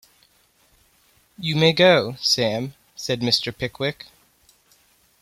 ‘You may go, Sam,’ said Mr. Pickwick.